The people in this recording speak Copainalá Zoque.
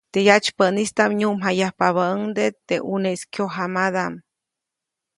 Teʼ yatsypäʼnistaʼm nyuʼmjayapabäʼuŋde teʼ ʼuneʼis kyojamadaʼm.